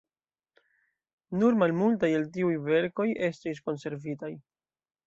Nur malmultaj el tiuj verkoj estis konservitaj.